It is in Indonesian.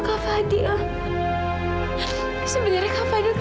ketahuan apa ini kepada nak